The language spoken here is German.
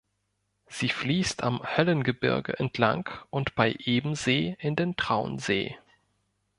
Sie fließt am Höllengebirge entlang und bei Ebensee in den Traunsee.